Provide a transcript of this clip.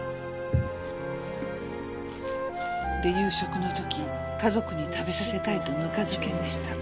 で夕食の時家族に食べさせたいとぬか漬けにした。